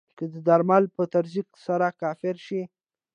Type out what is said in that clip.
که د درمل په تزریق سره کافر شي.